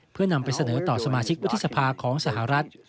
เพื่อนำไปเสนอต่อสมาชิกวุฒิสภาของสหรัฐ